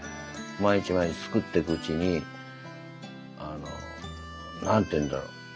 毎日毎日作ってくうちにあの何て言うんだろう